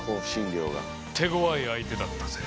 手ごわい相手だったぜ。